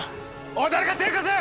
おい誰か手貸せ！